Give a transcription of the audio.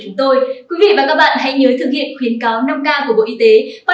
chúc quý vị và các bạn bình an trong đại dịch